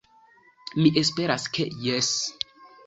Mi esperas ke jes.